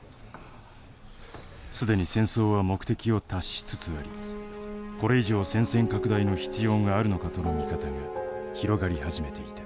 既に戦争は目的を達しつつありこれ以上戦線拡大の必要があるのかとの見方が広がり始めていた。